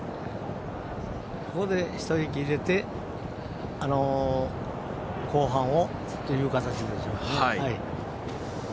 ここで一息入れて後半をっていう形ですよね。